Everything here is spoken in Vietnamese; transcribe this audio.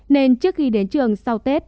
nên trước khi đến trường sau tết